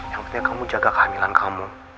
yang ketiga kamu jaga kehamilan kamu